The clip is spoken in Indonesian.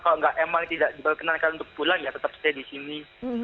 kalau emang tidak diperkenankan untuk pulang ya tetap stay di sini